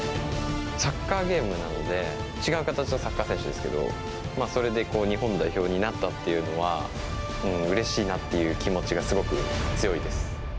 サッカーゲームなので違う形のサッカー選手ですけどそれで日本代表になったっていうのはうれしいなっていう気持ちがすごく強いです。